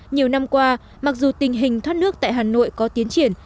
nhiều năm qua mặc dù tình hình thoát nước tại hà nội có tiến triển